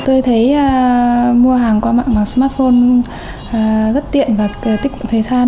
tôi thấy mua hàng qua mạng bằng smartphone rất tiện và tích cực thời gian